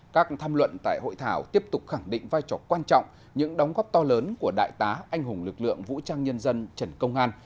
các tham luận tại hội thảo tiếp tục khẳng định vai trò quan trọng những đóng góp to lớn của đại tá anh hùng lực lượng vũ trang nhân dân trần công an